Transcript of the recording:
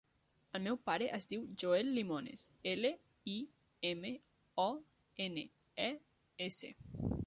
El meu pare es diu Joel Limones: ela, i, ema, o, ena, e, essa.